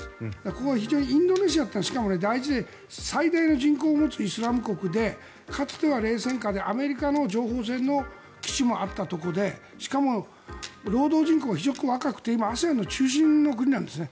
ここは非常にインドネシアというのは大事で最大の人口を持つイスラム国でかつては冷戦下でアメリカの情報戦の基地もあったところでしかも、労働人口が非常に若くてＡＳＥＡＮの中心の国なんですね。